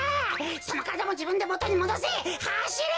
そのからだもじぶんでもとにもどせ！はしれ！